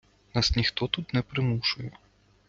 Вас ніхто тут не примушує.